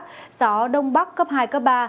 gió đông bắc cấp hai cấp ba